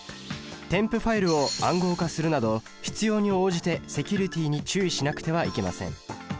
添付ファイルを暗号化するなど必要に応じてセキュリティに注意しなくてはいけません。